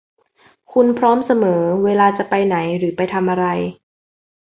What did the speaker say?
คุณพร้อมเสมอเวลาจะไปไหนหรือไปทำอะไร